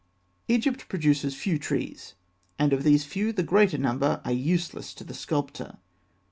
] Egypt produces few trees, and of these few the greater number are useless to the sculptor.